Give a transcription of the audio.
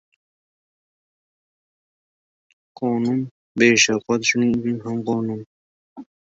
Qonun beshafqat, shuning uchun ham qonun.